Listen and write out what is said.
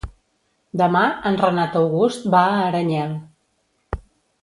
Demà en Renat August va a Aranyel.